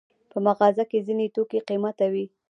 په مغازه کې ځینې توکي قیمته وي.